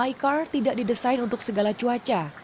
icar tidak didesain untuk segala cuaca